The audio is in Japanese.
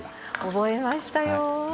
覚えましたよ。